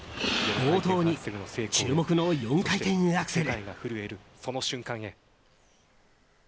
冒頭に４回転アクセル。